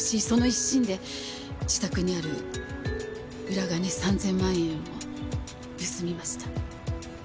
その一心で自宅にある裏金３０００万円を盗みました。